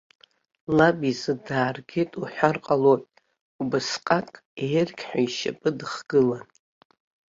Лаб изы дааргеит уҳәар ҟалоит, убасҟак аиргьҳәа ишьапы дыхгылан.